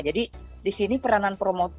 jadi di sini peranan pemain besar